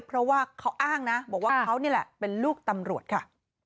เพราะว่าเขาอ้างนะบอกว่าเขานี่แหละเป็นลูกตำรวจค่ะ